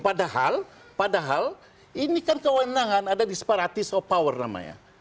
padahal padahal ini kan kewenangan ada disparatis of power namanya